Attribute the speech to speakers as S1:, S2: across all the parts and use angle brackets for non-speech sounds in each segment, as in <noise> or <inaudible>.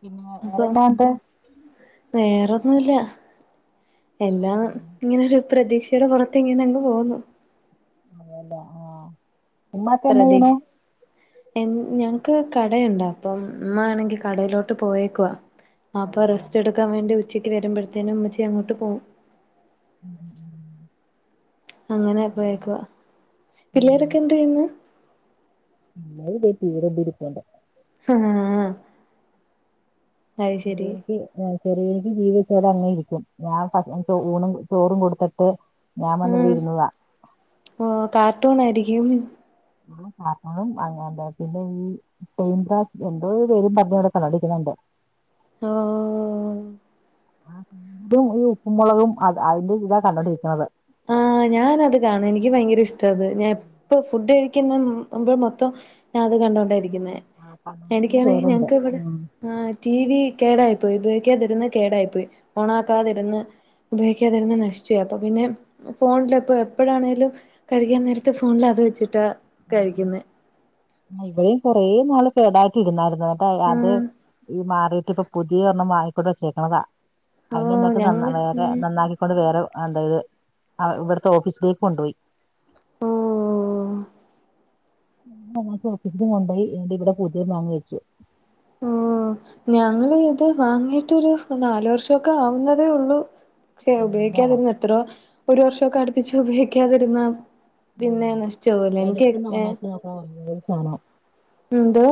S1: പിന്നെ
S2: അപ്പൊ
S1: വേറെന്താ ഉണ്ട്
S2: വേറൊന്നുല്ല എല്ലാം ഇങ്ങനൊരു പ്രതീക്ഷ ക്ഷയുടെ പുറത്ത് ഇങ്ങനെ പോകുന്നു
S1: അതെല്ല ആഹ് ഉമ്മാക്ക എന്നാ
S2: പ്രതീ
S1: ചെയ്യണു
S2: ഏഹ് ഞങ്ങൾക്ക് കടയുണ്ടാ പ്പം ഉമ്മ ആണെങ്കിൽ കടയിലോട്ട് പോയേക്കുവ വാപ്പാ
S1: അതെല്ലേ
S2: റസ്റ്റ് എടു ക്കാൻ വേണ്ടി ഉച്ചക്ക് വരുമ്പോഴത്തേനും ഉമ്മച്ചി അങ്ങോട്ട് പോവും
S1: ഉം
S2: അങ്ങനെ പോയേക്കുവാ
S1: ഉം
S2: പിള്ളോരൊക്കെ എന്ത് ചെയ്യുന്നു
S1: <unintelligible>
S2: ആഹ് അത്
S1: അഹ്
S2: ശരി
S1: എനിക്ക് ശെരിയക്ക് ജീവിച്ചത് അങ്ങെയിരിക്കും ഞാൻ ഊണും ചോറും കൊടുത്തിട്ട് ഞാൻ വന്നിവിടെ
S2: ആഹ്
S1: ഇരുന്നതാ
S2: ഓ കാർട്ടൂൺ ആയിരിക്കും
S1: പാപ്പും അങ്ങന പിന്നെ ഈ സന്ദ്ര എന്തോ പേരും പറഞ്ഞ അവിടെ കണ്ടൊണ്ടിരിക്കുന്ന് ഉണ്ട്
S2: ഹലോ
S1: ആഹ് ഈ ഉപ്പും മുളകും അത് അതിന്റെ ഇത കണ്ടൊണ്ടിരിക്കുന്നത്
S2: ആഹ് ഞാനത് കാണും എനിക്ക് ഭയങ്കര ഇഷ്ടം അത് എപ്പ ഫുഡ് കഴിക്കുന്നുമ്പ മൊത്തം ഞാൻ അത് കണ്ടൊണ്ട ഇരിക്കുന്ന
S1: ആഹ് കാണ ഇതും ചോറുണ്ട്
S2: ആഹ് ടി വി കേടായി പോയി ഉപയോഗിക്കാതിരുന്ന് കേടായി പോയി ഓൺ ആക്കാതിരുന്ന് ഉപയോഗിക്കാതിരുന്ന് നശിച്ചുപ്പോയി പിന്നെ ഫോണില ഇപ്പോ എപ്പോഴാണെലും കഴിക്കാൻ നേരത്തെ ഫോണിൽ അത് വെച്ചിട്ടാ കഴിക്കുന്നേ
S1: ഇവിടെയും കൊറേ നാള് കേടായിട്ട് ഇരുന്നായിരുന്നു കേട്ടോ അത്
S2: ആഹ്
S1: ഈ മാറിട്ട് ഇപ്പ പുതിയ ഒരണ്ണം വാങ്ങിക്കൊണ്ട് വെച്ചേക്കണതാ അതിന്
S2: ഓഹ്
S1: എന്നിട്ട് നന്ന
S2: ഞങ്ങള്
S1: വേറെ
S2: ഉം
S1: നന്നാക്കി വേറെ അതായത് ഇവിടുത്തെ ഓഫീസിലേക്ക് കൊണ്ടുപോയി
S2: ഓഹ്
S1: <unintelligible> കൊണ്ട പോയി എന്റെ ഇവിടെ പുതിയ മാങ്ങി വെച്ചു
S2: ഓ ഞങ്ങൾ ഇത് വാങ്ങിയിട്ടൊരു നാല് വർഷൊക്കെ ആവുന്നതേ ഉള്ളൂ ശേ
S1: അതെയല്ലേ
S2: ഉപയോഗിക്കാതിരുന്ന എത്രയോ ഒരു വർഷമൊക്കെ അടുപ്പിച്ച ഉപയോഗിക്കാതിരുന്ന പിന്നെ നഷിച്ച് പോവുലെഎനിക്ക് ഏഹ്
S1: ആഹ് കാണോം
S2: എന്തോ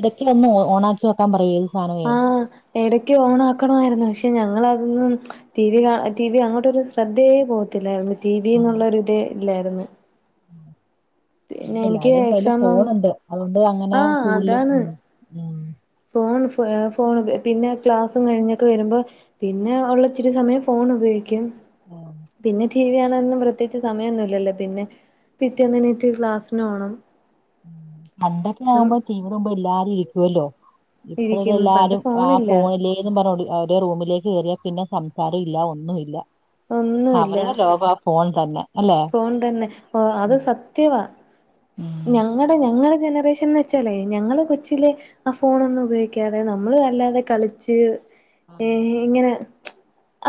S1: ഇടക്ക് വന്ന് ഓണാക്കി നോക്കാൻ പറയും ഈ സാന വേ
S2: ഇടക്ക് ഓണ ആക്കണമായിരുന്നു പക്ഷെ ഞങ്ങളതൊന്നും ടി വി കാ ടി വി അങ്ങോട്ടൊരു ശ്രദ്ധയേ പോകത്തില്ലായിരുന്നു ടി വി എന്നുള്ള ഒരു ഇതേ ഇല്ലായിരുന്നു പിന്നെ എനിക്ക്
S1: എല്ലാടേയും കയ്ൽ
S2: എക്സാമും
S1: ഫോണ് ഉണ്ട് അതുകൊണ്ട് അങ്ങനെ
S2: ആഹ്
S1: കൂടുതലും
S2: അതാണ്
S1: ഉ ഉ
S2: ഫോൺ ഫോൺ പിന്നെ ക്ലാസ്സും കഴിഞ്ഞൊക്കെ വരുമ്പോ പിന്നെ ഉള്ളച്ചിരി സമയം ഫോൺ ഉപയോഗിക്കും
S1: ആഹ്
S2: പിന്നെ ടി വി കാണാനെന്നും പ്രത്യേകച്ച് സമയമൊന്നുംല്ലല്ലേ പിന്നെ പിറ്റേന്ന് എഴുന്നേറ്റ് ക്ലാസ്സിന് പോണം
S1: പണ്ടൊക്കെ ആവുമ്പോ ടി. വി യുടെ മുമ്പോ എല്ലാരും ഇരിക്കുവല്ലോ ഇപ്പം
S2: ഇരിക്കും പണ്ട്
S1: എല്ലാരും ആ
S2: ഫോണില്ല
S1: ഫോണില് തും പറഞ്ഞ റൂമിലേക്ക് കയറിയാ പിന്നെ സംസാരം ഇല്ല ഒന്നും ഇല്ല അവരുടെ ലോകം ആ ഫോൺ തന്നെ അല്ലെ
S2: ഫോൺതന്നെ ഓ അത്
S1: ഉം
S2: സത്യവാ
S1: ഉം
S2: ഞങ്ങളുടെ ഞങ്ങളുടെ ജനറേഷൻ ച്ചല്ലേ ഞങ്ങള് കൊച്ചില് ആ ഫോണെ ന്നും ഉപയോഗിക്കാതെ നമ്മള് അല്ലാതെ കളിച്ച് ഏ
S1: ആ
S2: ഇങ്ങനെ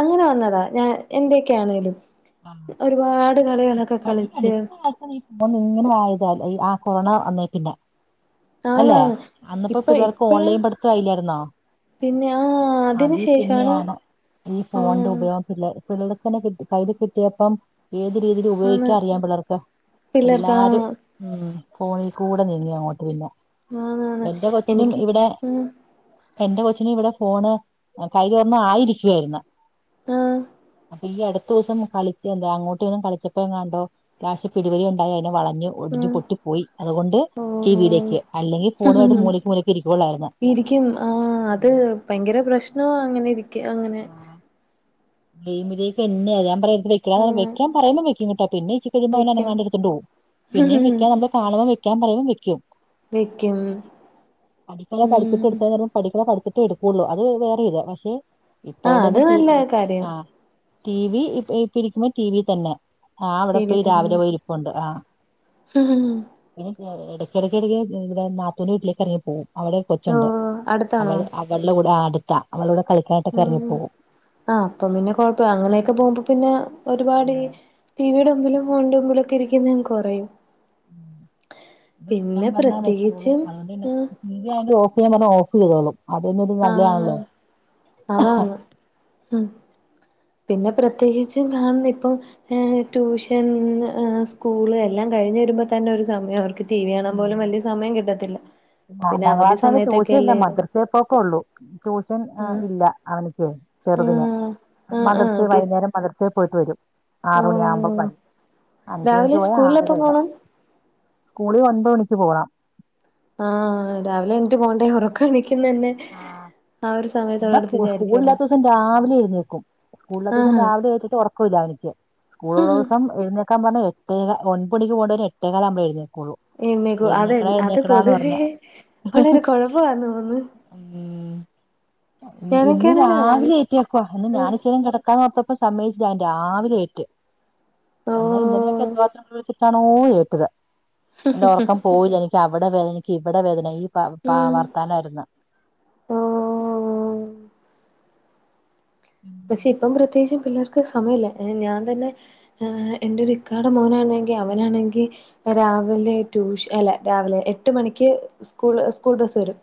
S2: അങ്ങനെ വന്നതാ ഞാൻ എന്തൊക്കെയാണേലും ഒരുപാട് കളികളൊക്കെ കളിച്ച്
S1: പോ ഇങ്ങനെ ആയത ഈ ആ കൊറണ വന്നേൽ പിന്നെ അല്ലെ
S2: ആണാണ്
S1: അന്നിപ്പോ
S2: ഇപ്പ
S1: പിള്ളവർക്ക്
S2: ഇപ്പഴ
S1: ഓൺലൈൻ പഠടുത്ത കയില്ലായിരുന്നോ
S2: പിന്നെ ആ അതിന്
S1: അതെ
S2: ശേഷാണ്
S1: പിന്നെയാണ് ഈ
S2: ആ
S1: ഫോണിന്റെ ഉപയോഗം പിള്ളേ പിള്ളേർക്ക്നെകൈയിൽ കിട്ടിയപ്പം ഏത് രീതിൽ
S2: ആണ്
S1: ഉപയോഗിക്കാൻ അറിയാൻ പിള്ളേർക്ക്
S2: പിള്ളേർക്ക് ആ
S1: എല്ലാരും ഉം ഫോണി കൂടെ നീങ്ങി അങ്ങോട്ട് പിന്നെ
S2: ആണാണ്
S1: എന്റെ കൊച്ചിനും
S2: എനിക്ക്
S1: ഇവിടെ
S2: ഉം
S1: എന്റെ കൊച്ചിന് ഇവിടെ ഫോണ് കൈയ്യില് ഒന്ന് ആയിരിക്കുവായിരുന്ന്
S2: ആഹ്
S1: ഈ അടുത്ത ദിവസം കളിച്ച എന്ത അങ്ങോട്ട് ഇങ്ങും കളിച്ചപ്പോ എങ്ങാണ്ടോ ലാസ്റ്റ് പിടിപലി ഉണ്ടായി അതിനെ വളഞ്ഞു
S2: ആ
S1: ഒടിഞ്ഞു പൊട്ടി പോയി അതുകൊണ്ട് ടി വിയിലേക്ക് അല്ലെങ്കിൽ ഫോണുമായിട്ട്
S2: ഓ
S1: മൂലക്ക് മൂ ലക്ക് ഇരിക്കുകയള്ളായിരുന്നു
S2: ഇരിക്കും ആ അത് ഭയങ്കര പ്രശ്നം അങ്ങനെ ഇരിക്ക അങ്ങനെ
S1: ഗയിമിലേക്ക് എന്നെയ ഞാൻ പറ വെക്കട
S2: ആ
S1: വെക്കാ പറയ്പോ വെക്ക കേട്ടോ പിന്നെ കുറച്ചു
S2: വെക്കും
S1: അനങ്ങാണ്ട് എടുതൊണ്ട് പോകും പിന്നെയും വെക്കാ നമ്മള് കാണുംമ്പോ വെക്കാൻ പറയുമ്പോ വെക്കും
S2: വെക്കും
S1: അടുക്കള പഠിപ്പിച്ചത്
S2: ഉം
S1: എടുക്കാൻ നേരം പഠിക്ക്ണ പഠിച്ചത്തിട്ടേ എടുക്കുള്ളു അത് വേറെ ഇത് പക്ഷെ
S2: ആ അത്
S1: ഇപ്പൊണ്ട്ന്നെ
S2: നല്ല കാര്യം
S1: ടി വി ഇ ഇപ്പ ഇരിക്കുമ്പോ ടി വി തന്നെ ആഅവിടെ പോയി രാവിലെ പോയി ഇരിപ്പണ്ട് ആ
S2: ആഹ
S1: പിന്നെ ഇടക്കിടക്കിടക്ക് ഇ നാത്തൂ ന്റെവീട്ടിലേക്ക് ഇറങ്ങി പോ വുംഅവിടെ
S2: ഓ
S1: കൊച്ചുണ്ട് അവൾ
S2: അടുത്താണോ
S1: അവളുടെ കൂടെ അടുത്ത അവള കൂടെ കളിക്കാനായിട്ടൊക്കെ
S2: ഉം
S1: ഇറങ്ങിപ്പോകവും
S2: ആ അപ്പം പിന്നെ കൊഴപ്പല്ല അങ്ങനെയൊക്കെ പോകുമ്പോ പിന്നെ ഒരുപാട് ഈ ടിവിയുടെ മുമ്പിലും ഫോണിന്റെ മുമ്പിലൊക്കെ ഇരിക്കുന്ന കുറയും
S1: വെക്കാൻ പറഞ്ഞാ വെച്ചോളും
S2: പ്രത്യേകിച്ചും
S1: അതുകൊണ്ട് തന്നെ
S2: ഉം
S1: ടി. വി ആണെങ്കി ഓഫ് ചെയ്യാൻ പറഞ്ഞ ഓഫ് ചെയ്തോളും അതൊരു
S2: ആ
S1: നല്ലയാണല്ലോ
S2: അതാന്ന് ഉം പിന്നെ പ്രത്യേകിച്ചും കാണുന്ന് ഇപ്പം ഏ ട്യൂഷൻ സ്കൂള് എല്ലാം കഴിഞ്ഞഞ് വരുമ്പോ തന്നെ ഒരു സമയം അവർക്ക് ടി വി കാണാൻ പോലും വലിയ സമയം കിട്ടത്തില്ല പിന്നെ
S1: നാലാം
S2: അവധി
S1: ക്ലാസ്
S2: സമയത്തൊക്കെ
S1: വരെട്യൂഷൻ ഇല്ല
S2: അല്ലേ ഇത്
S1: മദ്രസ പോ ക്കേ ഉള്ളൂ ട്യൂഷൻ
S2: ആഹ്
S1: ഇല്ല അവനക്ക് ചെറുതിന്
S2: ആഹ് ആഹ്
S1: മദർസ
S2: ആഹ്
S1: ഉള്ളു
S2: പി
S1: വൈകുന്നേരം മദർസയിൽ യിൽ പോയിട്ട് വരും ആറ് മണി ആകുമ്പോ
S2: ഓഹ്
S1: വരും അഞ്ച് മണിക്ക്
S2: രാവിലെ
S1: പോയാ
S2: സ്കൂളിൽ
S1: ആറരാ
S2: എപ്പം
S1: വരെ
S2: പോണം
S1: സ്കളിൽ ഒൻബത് മണിക്ക് പോണം
S2: ആരാവിലെ എണിട്ട് പോണ്ട ഉറക്ക എണിക്കുന്ന തന്നെ ഒരു
S1: എന്നാ സ്കൂള്
S2: സമയത്തോടടുപ്പിച്ചായിരിക്കുമല്ലോ
S1: സ്കൂൾഇല്ലാത്ത ദിവസം രാവിലെ എഴുന്നേക്കും സ്കൂളില്ലാത്ത ദിവസം
S2: ആഹാ
S1: രാവിലെ എണീറ്റട്ട് ഉറകമില്ല അവന്ക്ക് സ്കൂളള്ള ദിവസം എഴുന്നേക്കാ പറഞ്ഞ എട്ടേക ഒൻപണി പോണ്ടെന് എട്ടേകാല് ആകുമ്പോ എഴുന്നേക്കുള്ളൂ
S2: എഴുന്നേൽക്കോ അത
S1: എഴുന്നേക്കടാ
S2: അത്
S1: എഴുന്നേക്കടാന്ന്
S2: പൊതുവേ
S1: പറഞ്ഞ
S2: വളരെ കുഴപ്പം ആന്ന് തോന്നുന്ന്
S1: ഉ ഇന്ന്
S2: ഞാനൊക്കെയാണല്ലോ ഞാൻ
S1: രാവിലെ എണീറ്റ്ക്കുവാ ഇന്ന്
S2: ഉം
S1: ഞാാനിച്ചരും കിടക്ക കപ്പപ്പോ സമയച്ച് ഞാൻ രാവിലെ ഏറ്റ് എന്നാൽ ഇന്നലെയൊക്കെ
S2: ഓഹ്
S1: എന്ത് മാത്രം വിളിച്ചിട്ടാണോ ഏറ്റത് എന്റെ ഉറക്കം പോയില്ല എനിക്ക് അവിടെ വേദന എനിക്ക് ഇവിടെ വേദന ഈ വർത്തനായിരുന്നു
S2: ഓ പക്ഷെ ഇപ്പം പ്രത്യേകിച്ചും പിള്ളേർക്ക് സമയല്ലേ ഞാൻ തന്നെ എന്റെരു ഇക്കാട മോനാണെങ്കി അവനാണെങ്കി രാവിലെ ട്യൂഷ അല്ല രാവിലെ എട്ട് മണിക്ക് സ്കൂൾ സ്കൂൾ ബസ്സ് വരും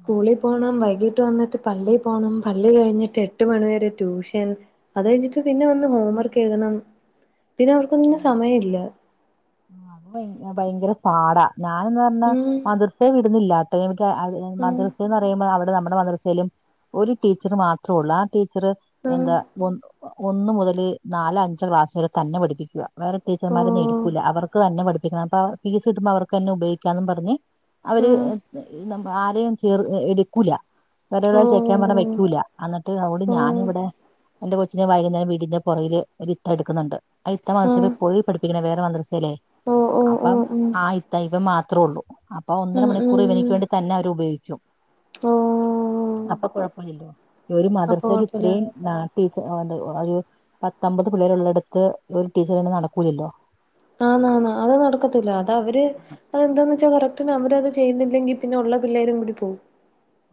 S2: സ്കൂളിൽ പോകണം വൈകീട്ട് വന്നിട്ട് പള്ളിയി പോകണം പള്ളി കഴിഞ്ഞിട്ട് എ ട്ട് മണിവരെ ട്യൂഷൻ അത് കഴിഞ്ഞിട്ട് പിന്നെ വന്ന് ഹോം വർക്ക് എഴുതണം പിന്നെ അവർക്കൊന്നും സമയം ഇല്ല
S1: അത് ഭയങ്കര പാടാ ഞാനന്ന് പറഞ്ഞ
S2: ഉം
S1: മദർസ വിടുന്നില്ലാ
S2: ഉം
S1: മദ്രസന്ന് പറയുമ്പോ അവിടെ നമ്മുടെ മദ്രസയിലും ഒരു ടീച്ചർ മാത്രേ ഉള്ളൂ ആ ടീച്ചർ
S2: ഉം
S1: എന്താ ഒന്നു മുതൽ നാല അഞ്ചാം ക്ലാസ്സുകിൽ തന്നെ പഠിപ്പിക്കും വേറെ ടീച്ചർമാരന്നും
S2: ഓഹ്
S1: എടുക്കൂല്ല അവർക്ക് തന്നെ പഠിപ്പിക്കണം അപ്പ ഫീസ് കിട്ടുമ്പോ അവർക്ക് തന്നെ ഉപയോഗിക്കാംന്ന് പറഞ്ഞ് അവര്
S2: ഉം
S1: ആരെയും ചേർ എടുക്കൂല വര ചക്കാൻ പറഞ്ഞ
S2: ഓഹ്
S1: വെക്കൂല്ല എന്നിട്ട് അവിടെ ഞാന്
S2: ഓഹ്
S1: ഇവിടെ എന്റെ കൊച്ചിനെ വൈകുന്നേരം വീടിന്റെ പുറകിൽ ഒരിത്ത എടുക്കുന്നുണ്ട് ആ ഇത്ത
S2: ആഹ്
S1: മദ്രസ പോയി പഠിപ്പിക്കണ വേറെ വേറെ മദ്രസയിലെ
S2: ഓഹ് ഓഹ്
S1: അപ്പം
S2: ഓഹ് ഉം
S1: ആ ഇതാ ഇവൻ മാത്രള്ളൂ അപ്പൊ ഒന്നര
S2: ഉം ഉം
S1: മണിക്കൂർ ഇവനക്ക്
S2: ഉം
S1: വേണ്ടി തന്നെ അവരു ഉപയോഗിക്കും
S2: ഓഹ്
S1: അപ്പൊ കുഴപ്പ ഒരു
S2: അപ്പൊ
S1: മദ്രസേല്
S2: കൊഴപ്പല്ല
S1: ഇത്രേം ടീച്ച എന്താ ഒരു പത്തമ്പത് പിള്ളേർ ഉള്ളടത്ത് ഒരു ടീച്ചർ തന്നെ നടക്കൂലല്ലോ
S2: ആന്നാന്ന് അത് നടക്കത്തില്ല അത് അവര് അതെന്താന്ന് വച്ചാ കറക്റ്റ്ന് അവർ അത് ചെയ്യുന്നില്ലെങ്കി പിന്നെ ഉള്ള പിള്ളേരും കൂടി പോവും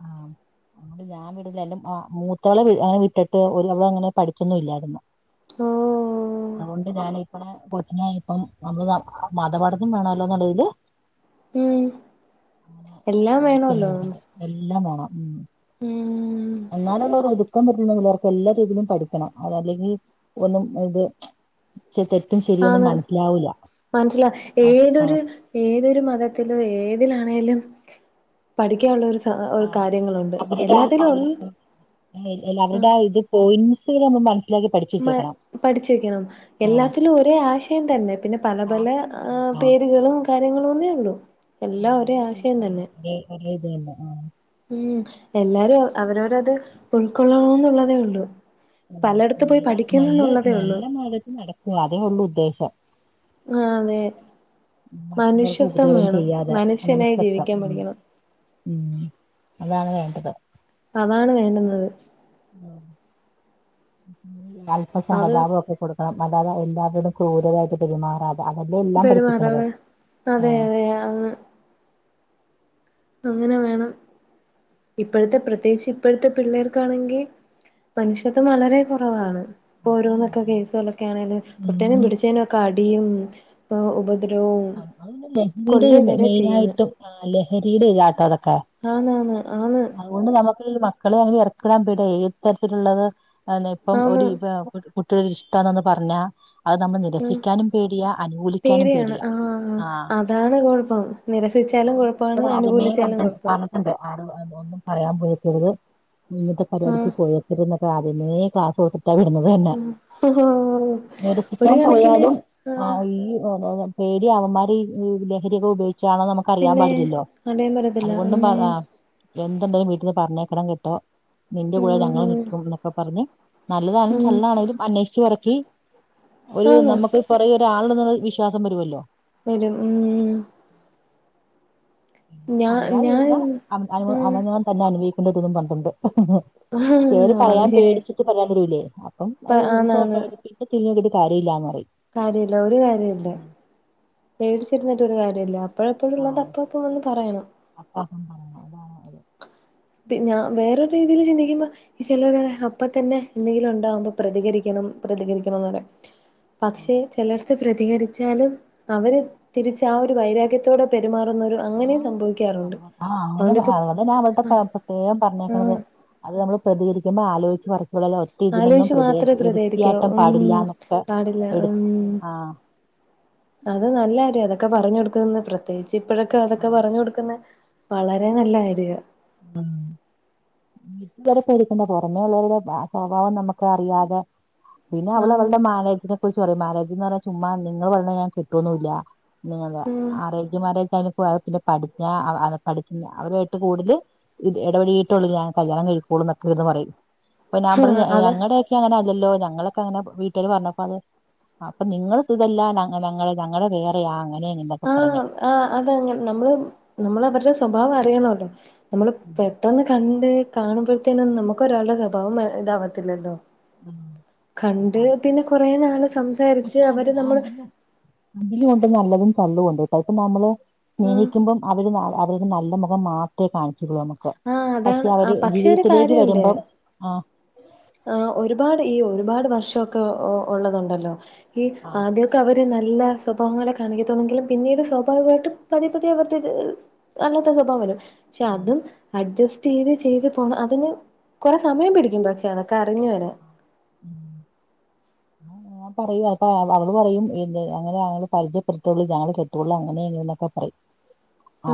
S1: ആ ഞാൻ അതുകൊണ്ട് <unintelligible> മൂത്താളെ അങ്ങനെ വിട്ടിട്ട് അവ അങ്ങനെ പഠിക്കുന്നും ഇല്ലായിരുന്നു
S2: ഓഹ്
S1: അതോണ്ട് ഞാനാ കൊച്ചിനെ ഇപ്പം നമ്മള് മതപഠനം വേണല്ലോ എന്നുള്ളതില്
S2: ഉം എല്ലാം
S1: അടുത്ത് തന്നെ
S2: വേണൊല്ലോ
S1: വിടുന്നുണ്ട് എല്ലാം വേണം ഉം എന്നാല <unintelligible> <unintelligible> പറ്റുന്ന പിള്ളേർക്ക് എല്ലാ രീതിയിലും പഠിക്കണം അതല്ലെങ്കി ഒന്നും ഇത് <unintelligible>
S2: ആന്ന്
S1: മനസ്സിലാവൂല
S2: മനസിലാ
S1: അത്
S2: ഏതൊരു ഏതൊരു മതത്തിലും ഏതിലാണേലും പഠിക്കാനുള്ള ഒരു സ
S1: അ
S2: ഒരു കാര്യങ്ങളുണ്ട്
S1: <unintelligible>
S2: എല്ലാത്തിലും ഒ ആ
S1: അവരുടെ ഇത് പോയിന്റ്സ്കൾ നമ്മ മന
S2: മ പഠിച്ച് വെക്കണം
S1: ആ
S2: എല്ലാത്തിലും ഒരേ ആശയം തന്നെ പിന്നെ പല പല
S1: ഭാഷ
S2: പേരുകളും കാര്യങ്ങളും ന്നേ ഉള്ളൂ എല്ലാം ഒരേ ആശയം തന്നെ
S1: ഒരെ ഇതന്നെ ആഹ്
S2: ഉം എല്ലാരും അവരവരത് ഉൾക്കൊള്ളണന്നുള്ളതേ ഉള്ളൂ പലയിടത്ത് പോയി
S1: നേരാ നല്ല
S2: പഠിക്കുന്നുന്നുള്ളതേ ഉള്ളൂ
S1: നല്ല മത നടക്കവ അതേ ഉള്ള് ഉദ്ദേശം
S2: ആഹ് അതെ
S1: മറ്റുള്ളവർക്ക്
S2: മനുഷ്യത്വം
S1: ഉപദ്രവം
S2: വേണം
S1: ചെയ്യാതെ
S2: മനുഷ്യനായി
S1: മനുഷ്യത്വം
S2: ജീവിക്കാൻ
S1: ഉം.
S2: പഠിക്കണം
S1: ഉം അതാണ് വേണ്ടത്
S2: അതാണ് വേണ്ടുന്നത്
S1: അല്പം
S2: അത്
S1: സഹതാപൊക്കെ കൊടുക്കണം അല്ലാതെ എല്ലാവരോടും ക്രൂരരായിട്ട് പെരുമാറാതെ അതല്ലേ എല്ലാം പഠിപ്പിക്കണത്
S2: പെരുമാറാതെ
S1: ആഹ്
S2: <unintelligible> അങ്ങനെ വേണം ഇപ്പോഴത്തെ പ്രത്യേകിച്ച് ഇപ്പോഴത്തെ പിള്ളേർക്കാണെങ്കി മനുഷ്യത്വം വളരെ കുറവാണ് ഇപ്പ
S1: അത്
S2: ഓരോന്നൊക്കെ
S1: തന്നെ
S2: കേസുകളൊക്കെ ആണേലും തൊട്ടേനും
S1: ഉം
S2: പിടിച്ചേനും ഒക്കെ അടിയും ഉപദ്രവോം
S1: <inaudible> ലഹരിയുടെ
S2: ചെയ്യുന്ന്
S1: മെയിനായിട്ടും ആഹ് ലഹരിയുടെ ഇതാട്ടോ അതൊക്കെ
S2: ആന്നാന്ന് ആന്ന്
S1: അതുകൊണ്ട് നമുക്ക് ഈ മക്കളെ അങ്ങനെ ഇറക്കിവിടാൻ പേടിയാ ഏത് തരത്തിലുള്ളത് അതെന്ന ഇപ്പം
S2: ആന്ന്
S1: ഒരു <unintelligible> കുട്ടിയോടൊരു ഇഷ്ടാന്നൊന്ന് പറഞ്ഞാ അത് നമ്മ നിരസിക്കാനും പേടിയാ അനുകൂലിക്കാനും
S2: പേടിയാണ്
S1: പേടിയാ
S2: ആഹ്
S1: ആ
S2: അതാണ് കുഴപ്പം നിരസിച്ചാലും
S1: അതുകൊണ്ട്
S2: കുഴപ്പാണ്
S1: കുട്ടികള് ആദ്യമേ
S2: അനുകൂലിച്ചാലും
S1: പറഞ്ഞ-
S2: കുഴപ്പം
S1: <unintelligible> ഒന്നും പറയാൻ പോയേക്കരുത് ഇങ്ങത്തെ പരിപാടിക്ക്
S2: ആഹ്
S1: പോയേ <unintelligible> രുന്നൊക്കെ ആദ്യമേ ക്ലാസ് കൊടുത്തിട്ടാ വിടുന്നത് തന്നെ
S2: ആഹ് ഒരു
S1: നിരസിക്കാൻ
S2: കണക്കിന്
S1: പോയാലും ആഹ് ഈ <unintelligible> പേടി അവന്മാരീ ലഹരിയക്കെ ഉപയോഗി ച്ചാണോ നമുക്ക് അറിയാൻ
S2: പിന്നെ
S1: പാടില്ലല്ലോ
S2: പറയാൻ പറ്റത്തില്ല
S1: അതുകൊണ്ടും പ
S2: ഉം
S1: എന്തുണ്ടേലും വീട്ടീന്ന് പറഞ്ഞേക്കണം കേട്ടോ നിന്റെ കൂടെ ഞങ്ങള്
S2: ഉം
S1: നിക്കും എന്നൊക്കെ പറഞ്ഞ് നല്ലതാണെലും
S2: ഉം
S1: തള്ളാണെങ്കിലും അന്വേഷിച്ച് പറക്കി ഒരു
S2: ആന്ന്
S1: നമുക്ക് പുറേ ഒരാളുണ്ട്ന്ന് വിശ്വാസം വരുവല്ലോ
S2: വരും ഉം ഉം
S1: പിന്നെ
S2: ഞാ ഞാൻ
S1: പറയാതിരുന്നാ അവനവൻ തന്നെ അനുഭവിക്കേണ്ടി വരുമെന്നും പറഞ്ഞിട്ടുണ്ട്
S2: ഉം
S1: ചിലര്
S2: അത്
S1: പറയാൻ
S2: ശരിയാ
S1: പേടിച്ച്
S2: ഇപ്പ
S1: പറയാൻ <unintelligible> അപ്പം അത്
S2: ആന്നാന്ന്
S1: <unintelligible> തിരിഞ്ഞോക്കീട്ട് കാര്യമില്ലാന്ന് പറയും
S2: കാര്യമില്ല ഒരു കാര്യോം ഇല്ല പേടിച്ചിരുന്നിട്ട് ഒരു കാര്യേല്ല അപ്പോഴപ്പോഴുള്ളത്
S1: ആഹ്
S2: അപ്പപ്പോ വന്ന് പറയണം
S1: <inaudible>
S2: പിഞ. വേറൊരു രീതിയിൽ ചിന്തികുമ്പാ.. ചെലോര്റിം. അപ്പ തന്നെ എന്തെങ്കിലും ണ്ടകുമ്പോ പ്രതികരിക്കണം. പ്രതികരിക്കണംന്ന് പറേ.. പക്ഷെ ചെലർ.. പ്രതികരിച്ചാലും അവര് തിരിച്ച് ആ ഒരു വൈരാഗ്യത്തോടെ പെരുമാറുന്നൊ രു..
S1: ആ അങ്ങനെ അതുണ്ടെന്നെ അവള്ടെ
S2: ആഹ്
S1: <unintelligible> പ്രത്യേകം
S2: ആഹ്
S1: പറഞ്ഞേക്കണത് അത് അ മ്മൾ പ്രതികരിക്കുമ്പോ ആലോയിച്ച് വർകോളല്ല..
S2: ആലോയിശ് മാത്രേ പ്രധികരികാവു. ഉം
S1: പാടില്ല എന്നൊക്കെ
S2: പാടില്ല. ഉം.
S1: ആഹ്
S2: അത് നല്ലാര്യ അതൊക്കെ പറഞ്ഞ് ടുക്കുന്ന പ്രത്യേച്ച് ഇപ്പഴൊക്കെ അതൊക്കെ
S1: ആഹ്
S2: പറഞ്ഞു കൊടുക്കുന്നെ.. വളരെ നല്ല കാര്യാ
S1: <inaudible> വീട്ടില് ള്ള വർ. പേടികുമ്പോ. പുറമേ ഉള്ളരുടെ സ്വഭാവം നമുക്ക് അറിയാതെ.. പിന്നെ അവള്
S2: ആന്ന്
S1: അവളുടെ മാരെജിനെ. കുറിച്ച് പറയു. മാരെജന്ന് പറഞ്ഞ ചുമ്മ നിങ്ങള് പറണത് ഞാൻ കേട്ടോവൊന്നുല്ല്യ.. നിങ്ങ
S2: ഉം
S1: ആരോഗ്യമേരേജ് പ്പോ പഠിക്ക പഠിക്കുന്ന അവരുയിട്ട് കൂടുതൽ ഇത് ഇടപെയിട്ടുള്ള ഞാൻ കല്യാണം കയിക്കുള്ളൂ. ന്നൊക്കെ ഇര്ന്ന്. പറയും അപ്പൊ ഞാൻ പറഞ്ഞ്
S2: ആഹ്
S1: യേ
S2: അതെ
S1: അങ്ങനെകെ.. കി അങ്ങനെ അല്ലോ ഞങ്ങളൊക്കെ അങ്ങനെ വീട്ടില് പറഞ്ഞപ്പോ. അഹ്.. അപ്പൊ നിങ്ങൾ സുതല്ല ഞങ്ങള് ഞങ്ങളുടെ വേറെയാ അങ്ങനെ ഇങ്ങനെക്കെ. പറഞ്ഞേ..
S2: ആഹ് ആഹ് അതങ്ങെ നമ്മള് നമ്മൾ അവര്ടെ സ്വഭാവ അറിയണല്ലോ നമ്മൾപെ.. പെട്ടന്ന് കണ്ട് കാണുമ്പോഴത്തേനും നമുക്ക് ഒരാളുടെ സ്വഭാവം ഇതാവാത്തില്ലല്ലോ.. കണ്ട് പിന്നെ കൊറെ നാൾ സംസാരിച്ച് അവര് നമ്മൾ..
S1: അതിലുണ്ട് നല്ലതും തള്ളൂണ്ട് ഇപ്പ നമ്മള്
S2: ആഹ്
S1: സ്നേഹിക്കുമ്പം.. അവര് അവരുടെ നല്ല മുഖം മാത്രെ കാണിചെരുള്ളൂ. നമ്മക്.
S2: ആഹ്
S1: പഷെ
S2: അതാണ്
S1: അവര്
S2: ആഹ് പക്ഷെ
S1: ജീവിതത്തിലേക്ക് വരുമ്പം ആ..
S2: ആ ഒരുപാട് ഈ ഒരുപാട് വർഷക്കെ ഉള്ളതുണ്ടല്ലോ ഈ
S1: ആ
S2: ആദ്യ. ക്ക. അവര് നല്ല സ്വഭാവങ്ങളെ കാണിക്കത്തള്ളെങ്കിലും. പിന്നീട് സ്വാഭാവികയിട്ട് പതിയ പതിയെ അവരുടെ.. അല്ലാത്ത സ്വഭാവ വരു പഷെ
S1: ഉം
S2: അതും.. അഡ്ജസ്റ്റ് യ്ത് ചെയ്ത് പോണം അതിന് കൊറെ സമയം പിടിക്കും പക്ഷെ അതൊക്കെ അറിഞ്ഞു
S1: ആ
S2: വരാൻ.. <inaudible>
S1: ആലോ ഞാൻ പറയു അപ്പ അവ അവള് പറയും എ അങ്ങനെ പരിചയപ്പെടുത്തുള്ളൂ ഞാൻ കെട്ടുയുള്ളൂ അങ്ങനെ എങ്ങനെന്നൊക്കെ പറയും.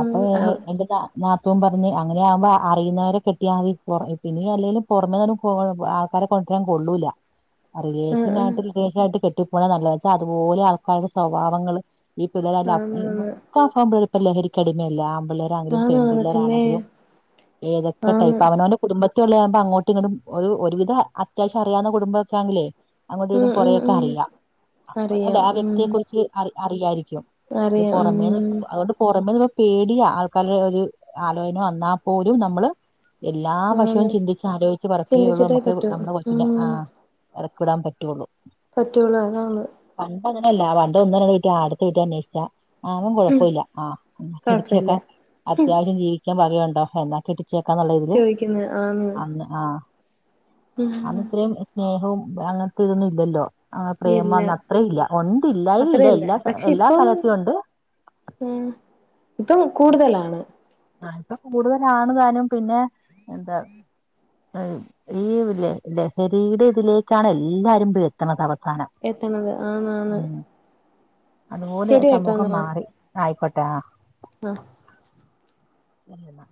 S2: ഉം ആഹ്
S1: എന്റത്താ നാത്തും പർഞ്ഞ് അങ്ങനെയാമ്പോ അ അറിയുന്നോരെ കെട്ടിയാമതി. <unintelligible> പിന്നെ എല്ലേലും പൊറമെ <unintelligible> പോ <unintelligible> അ കാരെ കൊണ്ട്രാൻ കൊള്ളൂല.
S2: ഉം ഉം
S1: അറിയേഷ്നായിട്ട് ട്ട് കെട്ടിപ്പോണ നല്ലത് അതുപോലെ ആൾക്കാരെ സ്വഭാവങ്ങള് ഈ
S2: ആന്ന്
S1: പിള്ളേരെല്ലാം
S2: ആന്ന്
S1: അ <unintelligible> ലഹരിക്കടിമെല്ലേ ആൺപിള്ളേർ. അവര്
S2: ആന്ന് ആന്ന് പിന്നെ
S1: പെൺപിള്ളേരാണെങ്കിലും ഏതൊക്കെ ടൈപ്പ
S2: ആന്ന്
S1: അവനാണ്ടേ കുടുംബത്തെ ഉള്ള ആവുമ്പോ അങ്ങോട്ടും ഇങ്ങോട്ടും ഒരു വിധ ഒരുവിധ അത്യാവശ്യാം അറിയാവുന്ന കുടുംബക്കാണങ്കിലേ
S2: ഉം
S1: അങ്ങോട്ടിടും
S2: ഉം
S1: കൊറേക്കെ
S2: ഉം
S1: അറിയാ. അല്ലെ
S2: അറിയാം
S1: ആ
S2: ഉം
S1: വ്യക്തിയെ കുറിച്ച് അറി അറിയായിരിക്കും ഇത്
S2: അറിയാം
S1: പുറമേന്ന്
S2: ഉം
S1: അതോണ്ട് പുറമേന്ന് പേടിയാ ആൾക്കാര്ടെ ഒരു ആലോചന വന്നാ പോലും നമ്മള് എല്ലാ വഷവും
S2: ആന്ന്
S1: ചിന്തിച്ച ആലോയിച്ച് പറിക്കുയേയുള്ളൂ
S2: ചിന്തിച്ചിട്ടേ
S1: നമുക്ക്
S2: പറ്റൂ
S1: നമ്മുടെ
S2: ഉം
S1: കൊച്ചിനെ ആ എറക്ക് വിടാൻ പറ്റുള്ളൂ.
S2: പറ്റുള്ളൂ അതാണ്.
S1: പണ്ട് അങ്ങനെയല്ല പണ്ട് ഒന്ന് രണ്ടോ ആദ്യത്തെ വീട്ടിൽ അന്വേഷിച്ചാ ആവും കൊഴപ്പല്ല ആ
S2: കൊഴപ്പല്ല
S1: ഇടിച്ക്കാൻ അത്യാവശ്യം ജീവിക്കാൻ വകയുണ്ടോ യെന്ന <unintelligible> ചെക്കാൻ നല്ല ഒരിത്
S2: ചോദിക്കുന്ന് ആന്ന്
S1: അന്ന് ആ
S2: ഉം
S1: അന്ന്ത്രേം സ്നേഹവും അങ്ങൻത്തെ ഇതൊന്നും ഇല്ലല്ലോ ആ
S2: ഇല്ല
S1: പ്രേമന്നു അത്രല്ല ഉണ്ട്ല്ലായില്ല എല്ലാ എല്ലാ കലർസുംണ്ട്
S2: <unintelligible> ഇത് കൂടുതലാണ്
S1: ആ ഇപ്പ കൂടുതലാണ്താനും പിന്നെ എന്താ ഈല്ലെ ലഹരിയ്ടെ ഇതിലേക്കാണ് എല്ലാരും എത്ത്ണത് അവസാനം
S2: എത്ത്ണത് ആ ആണ്
S1: അത്പോലെ സമൂഹം മാറി ആയിക്കോട്ടാ ആ
S2: ആഹ്
S1: എന്തിനാ